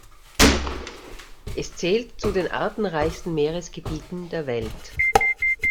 Es zählt zu den artenreichsten Meeresgebieten der Welt.